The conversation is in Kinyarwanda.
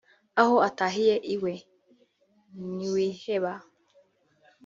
Aho atahiye iwe (Ntawiheba)